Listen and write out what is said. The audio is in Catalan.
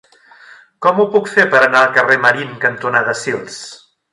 Com ho puc fer per anar al carrer Marín cantonada Sils?